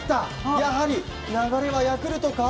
やはり流れはヤクルトか？